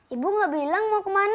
ibu gak bilang mau kemana